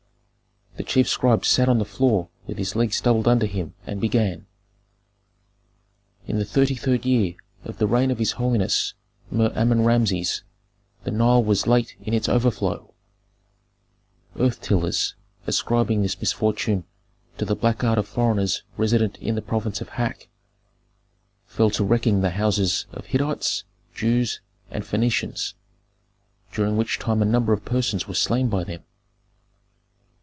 The chief scribe sat on the floor with his legs doubled under him, and began, "In the thirty third year of the reign of his holiness Mer Amen Rameses the Nile was late in its overflow. Earth tillers, ascribing this misfortune to the black art of foreigners resident in the province of Hak, fell to wrecking the houses of Hittites, Jews, and Phœnicians, during which time a number of persons were slain by them.